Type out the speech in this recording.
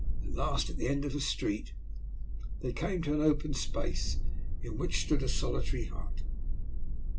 At last, at the end of a street, they came to an open space, in which stood a solitary hut.